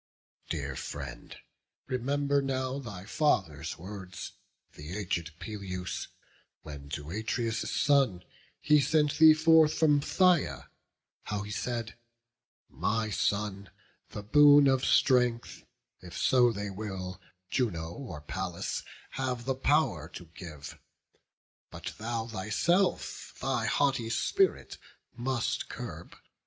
Dear friend, remember now thy father's words, The aged Peleus, when to Atreus' son He sent thee forth from Phthia, how he said, 'My son, the boon of strength, if so they will, Juno or Pallas have the pow'r to give; But thou thyself thy haughty spirit must curb.